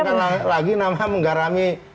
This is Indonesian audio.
kalau saya omongkan lagi nama menggarami